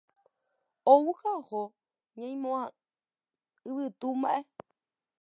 Ou ha oho ñaimo'ã yvytu mba'e.